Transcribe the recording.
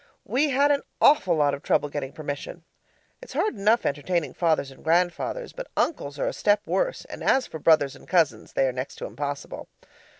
We had an awful lot of trouble getting permission. It's hard enough entertaining fathers and grandfathers, but uncles are a step worse; and as for brothers and cousins, they are next to impossible.